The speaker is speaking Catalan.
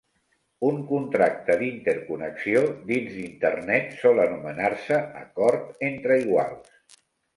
Un contracte d'interconnexió dins d'Internet sol anomenar-se acord entre iguals.